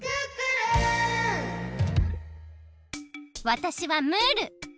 わたしはムール。